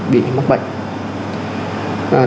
bị mắc bệnh